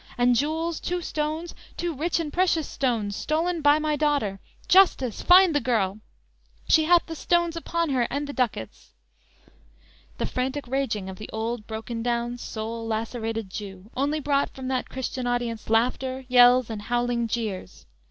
And jewels, two stones, two rich and precious stones Stolen by my daughter! Justice! Find the girl! She hath the stones upon her and the ducats!"_ The frantic raging of the old broken down, soul lacerated Jew, only brought from that Christian audience, laughter, yells, and howling jeers.